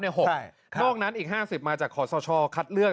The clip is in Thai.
นอกนั้นอีก๕๐มาจากขอสชคัดเลือก